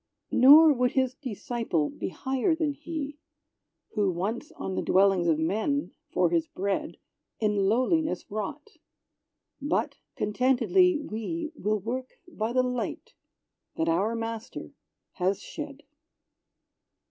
Nor would his disciple be higher than He, Who once on the dwellings of men, for his bread, In lowliness wrought! but contentedly, we Will work by the light that our Master has shed.